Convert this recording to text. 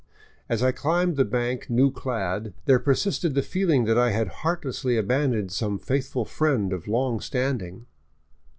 As I climbed the bank new clad, there persisted the feel ing that I had heartlessly abandoned some faithful friend of long stand ing.